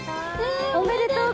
えおめでとう。